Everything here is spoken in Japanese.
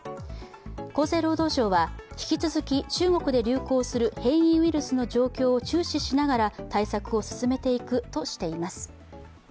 厚生労働省は、引き続き中国で流行する変異ウイルスの状況を注視しながら対策を進めていくとしています。